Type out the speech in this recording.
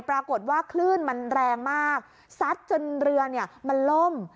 ปรากฏว่าคลื่นมันแรงมากซัดจนเรือเนี่ยมันล่ม